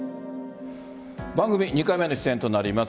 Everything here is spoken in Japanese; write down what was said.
番組２回目の出演となります。